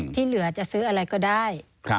ที่เหลือจะซื้ออะไรก็ได้